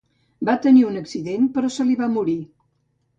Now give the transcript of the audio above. Va tenir un accident, però se li va morir.